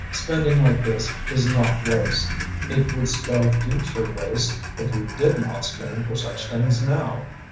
Spending like this is not waste. It would spell future waste if we did not spend for such things now.